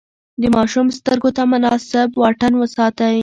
د ماشوم سترګو ته مناسب واټن وساتئ.